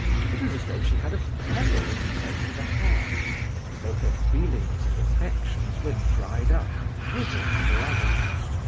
It was as though she had a pebble in place of a heart, as though her feelings and affections were dried up and withered for ever.